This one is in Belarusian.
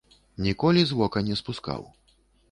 Ніколі з вока не спускаў.